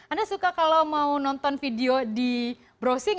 anda suka kalau mau nonton video di browsing